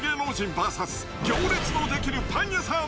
ＶＳ行列の出来るパン屋さん。